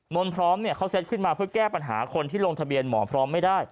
นนพร้อมเนี่ยเขาเซ็ตขึ้นมาเพื่อแก้ปัญหาคนที่ลงทะเบียนหมอพร้อมไม่ได้